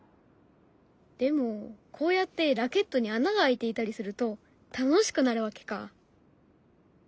でもこうやってラケットに穴が開いていたりすると楽しくなるわけか。